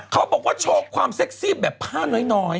เขาบอกว่าโชว์ความเซ็กซี่แบบผ้าน้อย